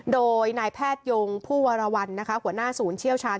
โดยนายแพทยงผู้วรวรรณหัวหน้าศูนย์เชี่ยวชาญ